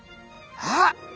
あっ！